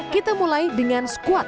kita mulai dengan squat